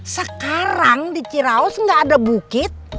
sekarang di ciraus enggak ada bukit